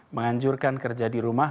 menganjurkan kerja di rumah